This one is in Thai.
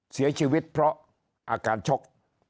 เสียชีวิตเพราะอาการชก